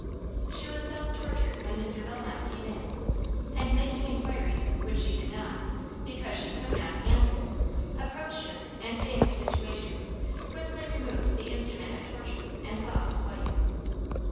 She was thus tortured when Mr. Bellmont came in, and, making inquiries which she did not, because she could not, answer, approached her; and seeing her situation, quickly removed the instrument of torture, and sought his wife.